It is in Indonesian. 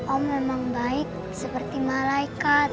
om memang baik seperti malaikat